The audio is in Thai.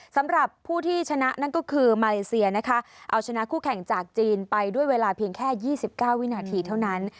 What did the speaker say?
สำหรับผู้ที่ชนะนั่นก็คือมาเลเซียนะคะเอาชนะคู่แข่งจากจีนไปด้วยเวลาเพียงแค่๒๙วินาทีเท่านั้น